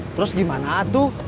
terus gimana atu